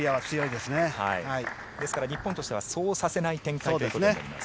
ですから日本としてはそうさせない展開にすると。